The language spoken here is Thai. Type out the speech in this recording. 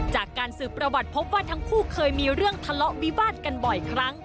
จากการสืบประวัติพบว่าทั้งคู่เคยมีเรื่องทะเลาะวิวาดกันบ่อยครั้ง